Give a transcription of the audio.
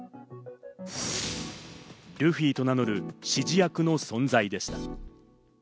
ルフィと名乗る指示役の存在でした。